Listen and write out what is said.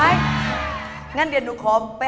อ่าใช่